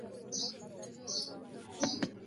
انلاين ويډيوګانې دا بڼه ښيي.